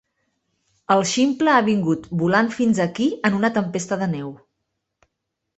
El ximple ha vingut volant fins aquí en una tempesta de neu.